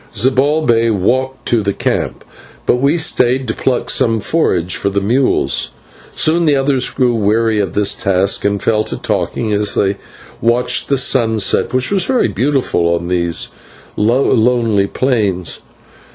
Zibalbay walked to the camp, but we stayed to pluck some forage for the mules. Soon the others grew weary of this task and fell to talking as they watched the sunset, which was very beautiful on these lonely plains.